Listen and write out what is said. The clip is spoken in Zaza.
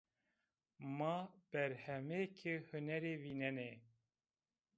Ma berhemêkê hunerî vînenê